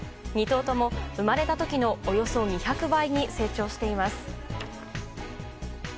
２頭とも生まれた時のおよそ２００倍に成長しています。